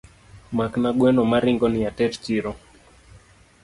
Makna gweno maringoni ater chiro.